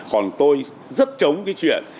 còn tôi rất chống cái chuyện